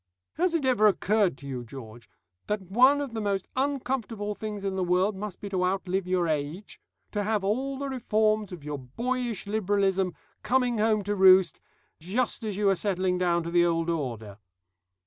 "Has it ever occurred to you, George, that one of the most uncomfortable things in the world must be to outlive your age? To have all the reforms of your boyish liberalism coming home to roost, just as you are settling down to the old order....